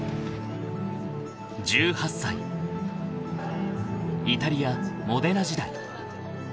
［１８歳イタリアモデナ時代］